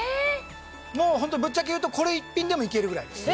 もうホントぶっちゃけ言うとこれ一品でもいけるぐらいです。